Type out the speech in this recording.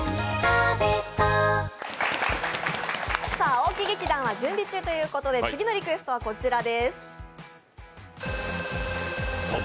大木劇団は準備中ということで次のリクエストはこちらです。